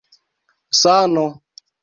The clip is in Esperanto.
sano